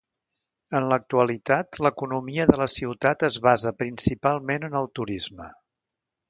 En l'actualitat l'economia de la ciutat es basa principalment en el turisme.